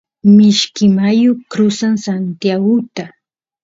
mishki mayu crusan santiaguta